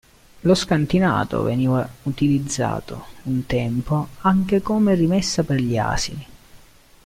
Lo scantinato veniva utilizzato, un tempo, anche come rimessa per gli asini.